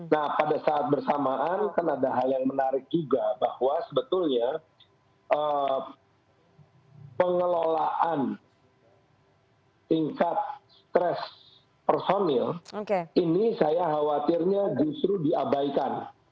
nah pada saat bersamaan kan ada hal yang menarik juga bahwa sebetulnya pengelolaan tingkat stres personil ini saya khawatirnya justru diabaikan